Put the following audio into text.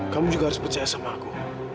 kamu juga harus percaya sama aku